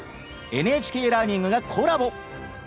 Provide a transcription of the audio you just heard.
ＮＨＫラーニングがコラボ。